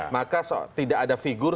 maka tidak ada figur